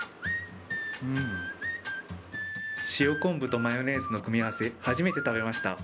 うーん、塩昆布とマヨネーズの組み合わせ、初めて食べました。